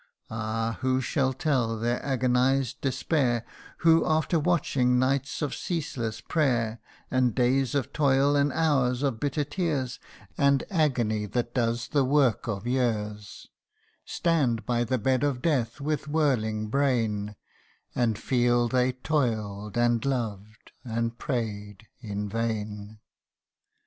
Ah ! who shall tell their agonized despair, Who, after watchful nights of ceaseless prayer, And days of toil, and hours of bitter tears, And agony that does the work of years Stand by the bed of death with whirling brain, And feel they toil'd, and loved, and pray'd, in vain.